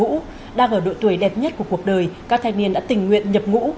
nhập ngũ đang ở độ tuổi đẹp nhất của cuộc đời các thanh niên đã tình nguyện nhập ngũ